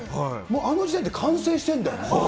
もうあの時代で、完成してるんだよね。